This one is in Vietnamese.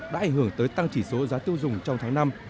đã ảnh hưởng tới tăng chỉ số giá tiêu dùng trong tháng năm